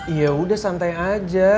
yaudah santai aja